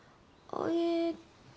えーっと。